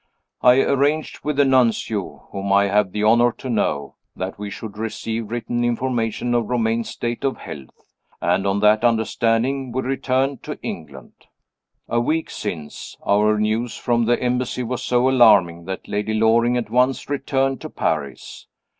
I arranged with the Nuncio (whom I have the honor to know) that we should receive written information of Romayne's state of health, and on that understanding we returned to England. A week since, our news from the Embassy was so alarming that Lady Loring at once returned to Paris.